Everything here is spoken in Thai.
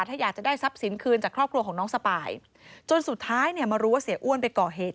ถ้าอยากจะได้ทรัพย์สินคืนจากครอบครัวของน้องสปายจนสุดท้ายเนี่ยมารู้ว่าเสียอ้วนไปก่อเหตุ